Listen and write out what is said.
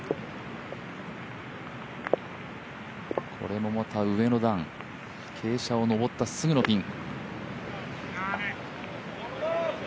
これもまた傾斜を上ったすぐのピン。